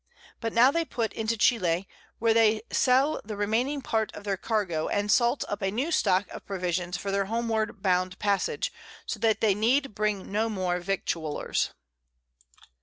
But now they put into Chili, where they sell the remaining Part of their Cargo, and salt up a new Stock of Provisions for their homeward bound Passage, so that they need bring no more Victuallers.